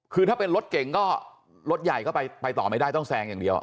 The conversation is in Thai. คือถ้าเป็นรถเก่งก็รถใหญ่ก็ไปต่อไม่ได้ต้องแซงอย่างเดียว